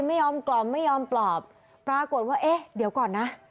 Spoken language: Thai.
ไม่ยอมกล่อมไม่ยอมปลอบปรากฏว่าเอ๊ะเดี๋ยวก่อนนะ